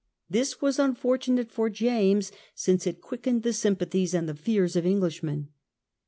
This was unfortunate for James, since it quickened the sym pathies and the fears of Englishmen.